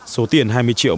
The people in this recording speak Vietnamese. số tiền hai mươi triệu